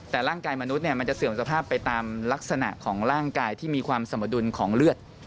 แต่ร่างกายมนุษย์มันจะเสื่อมสภาพไปตามลักษณะของร่างกายที่มีความสมดุลของเลือด